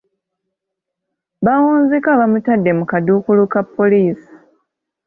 Baawunzika bamutadde mu kaduukulu ka poliisi.